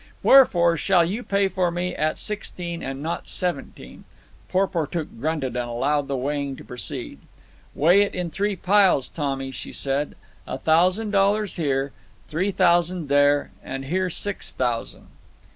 Wherefore, shall you pay for me at sixteen, and not at seventeen." Porportuk grunted and allowed the weighing to proceed. "Weigh it in three piles, Tommy," she said. "A thousand dollars here, three thousand here, and here six thousand."